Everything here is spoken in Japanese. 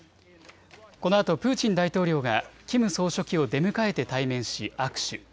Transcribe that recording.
このあとプーチン大統領がキム総書記を出迎えて対面し握手。